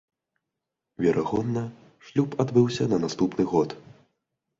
Верагодна, шлюб адбыўся на наступны год.